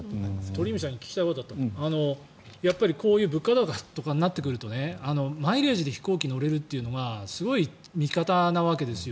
鳥海さんに聞きたいことがあってこういう物価高になってくるとマイレージで飛行機に乗れるのがすごい味方なわけですよ。